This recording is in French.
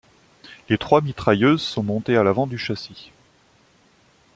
Les trois mitrailleuses sont montées à l'avant du châssis.